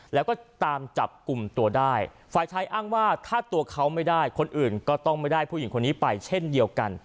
แล้วก็ตามจับกลุ่มตัวได้ฝ่ายชายอ้างว่าถ้าตัวเขาไม่ได้คนอื่นก็ต้องไม่ได้ผู้หญิงคนนี้ไปเช่นเดียวกัน